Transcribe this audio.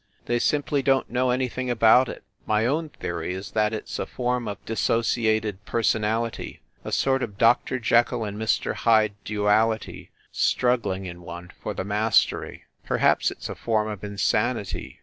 They simply don t know anything about it. My own theory is that it s a form of dissociated personality a sort of Dr. Jekyll and Mr. Hyde duality struggling in one for the mastery. Perhaps it s a form of insanity.